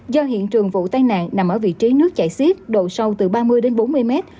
do hiện trường vụ tai nạn nằm ở vị trí nước chảy xiết độ sâu từ ba mươi đến bốn mươi mét